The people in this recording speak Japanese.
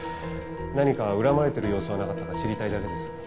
何か恨まれてる様子はなかったか知りたいだけです。